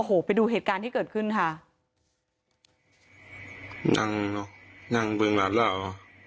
โอ้โหไปดูเหตุการณ์ที่เกิดขึ้นค่ะนั่งเนอะนั่งเมืองหลาดเหล้า